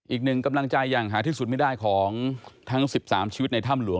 อีกหนึ่งกำลังใจอย่างหาที่สุดไม่ได้ของทั้ง๑๓ชีวิตในถ้ำหลวง